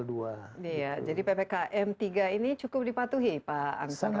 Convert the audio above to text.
iya jadi ppkm tiga ini cukup dipatuhi pak ansar oleh masyarakat